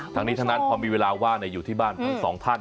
ทั้งนี้ทั้งนั้นพอมีเวลาว่างอยู่ที่บ้านทั้งสองท่าน